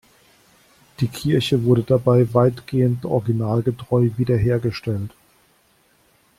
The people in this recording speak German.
Die Kirche wurde dabei weitgehend originalgetreu wiederhergestellt.